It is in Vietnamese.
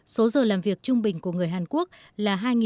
số giờ làm việc trung bình của người hàn quốc là năm ba triệu người